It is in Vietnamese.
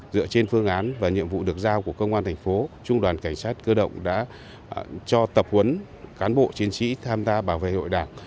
dựa trên phương án và nhiệm vụ được giao của công an thành phố trung đoàn cảnh sát cơ động đã cho tập huấn cán bộ chiến sĩ tham gia bảo vệ hội đảng